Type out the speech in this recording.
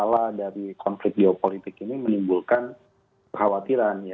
masalah dari konflik geopolitik ini menimbulkan kekhawatiran